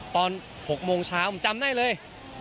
ตอน๖โมงเช้าผมจำได้เลย